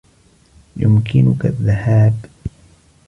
يمكنك الذهاب.